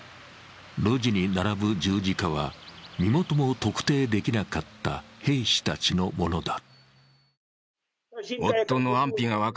路地に並ぶ十字架は身元も特定できなかった兵士たちのものだ。